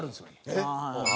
えっ？